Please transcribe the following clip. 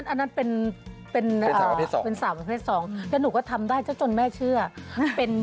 แฟนมันเป็น